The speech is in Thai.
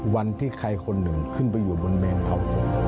วันที่ใครคนหนึ่งขึ้นไปอยู่บนเมนเผา